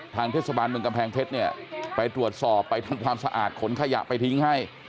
ทางเทศบาลเมืองกำแพงเพชรเนี่ยไปตรวจสอบไปทำความสะอาดขนขยะไปทิ้งให้